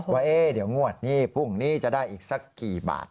ว่าเดี๋ยวงวดนี้พรุ่งนี้จะได้อีกสักกี่บาท